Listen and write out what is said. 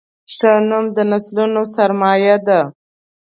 ښه نوم د نسلونو سرمایه ده.